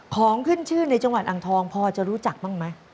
ของขึ้นชื่อในจังหวัดอ่างทองพอจะรู้จักบ้างไหม